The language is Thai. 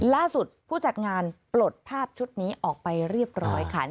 ผู้จัดงานปลดภาพชุดนี้ออกไปเรียบร้อยค่ะ